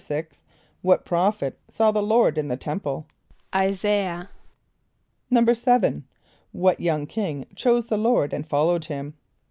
= What prophet saw the Lord in the temple? =[=I] [s+][=a]´iah.= =7.= What young king chose the Lord and followed him?